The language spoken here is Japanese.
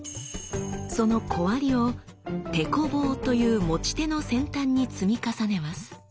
その小割りを「テコ棒」という持ち手の先端に積み重ねます。